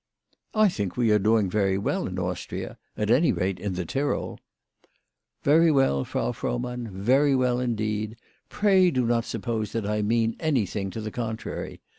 " I think we are doing very well in Austria ; at any rate, in the Tyrol." " Very well, Frau Frohmann ; very well indeed. Pray do not suppose that I mean anything to the con trary.